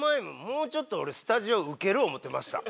もうちょっと俺スタジオウケる思うてました。